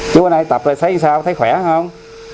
chú ơi nay tập rồi thấy sao thấy khỏe không